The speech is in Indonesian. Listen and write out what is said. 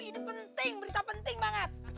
ini penting berita penting banget